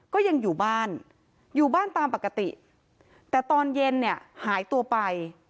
ก็ยังอยู่บ้านอยู่บ้านตามปกติแต่ตอนเย็นเนี่ยหายตัวไป